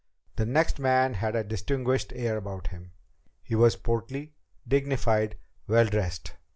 The next man had a distinguished air about him. He was portly, dignified, well dressed.